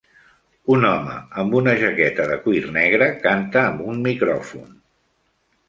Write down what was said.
Un home amb una jaqueta de cuir negre canta amb un micròfon.